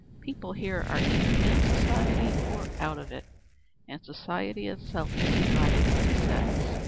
People here are either in society or out of it, and society itself is divided into sets.